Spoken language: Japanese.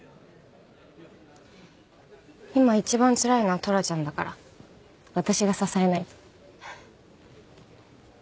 今一番つらいのはトラちゃんだから私が支えないと。